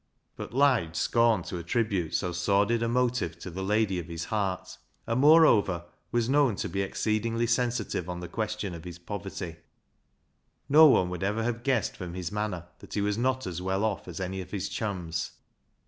But Lige scorned to attribute so sordid a motive to the lady of his heart, and, moreover, was known to be exceedingly sensitive on the question of his poverty. No one would ever have guessed from his manner that he was not as well off as any of his chums.